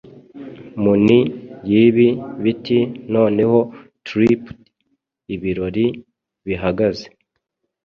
Muni yibi biti noneho tripd, ibirori bihagaze